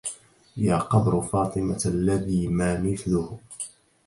يا قبر فاطمة الذي ما مثله